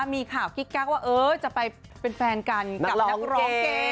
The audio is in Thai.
มีข่าวกิ๊กกักว่าจะไปเป็นแฟนกันกับนักร้องเก่ง